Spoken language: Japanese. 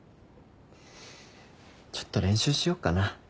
ちょっと練習しよっかな。